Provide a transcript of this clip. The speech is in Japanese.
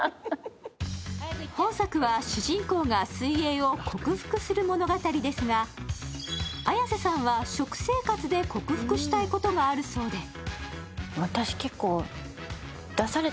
本作は主人公が水泳を克服する物語ですが、綾瀬さんは食生活で克服したいことがあるそうです。